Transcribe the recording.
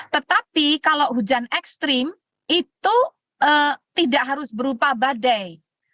tetapi kalau hujan ekstrim itu tidak harus berupa badai